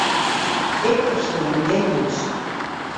Ik ferstean gjin Dútsk.